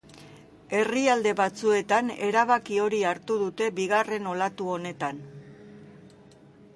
Herrialde batzuetan erabaki hori hartu dute bigarren olatu honetan.